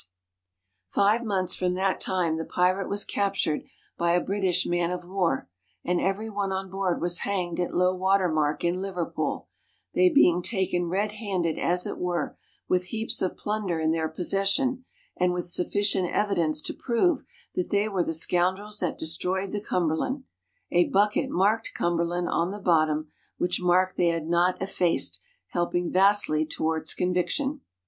] SKETCHES OF TRAVEL Five months from that time the pirate was captured by a British man of war, and every one on board was hanged at low water mark in Liverpool, they being taken red handed, as it were, with heaps of plun der in their possession and with sufficient evidence to prove that they were the scoun drels that destroyed the Cumberland, a bucket marked '^Cumberland'' on the bottom, which mark they had not effaced, helping vastly towards conviction.